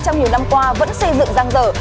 trong nhiều năm qua vẫn xây dựng răng rở